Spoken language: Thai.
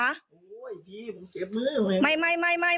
โอ้โหพี่ผมเจ็บมือ